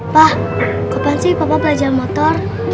pak kapan sih papa belajar motor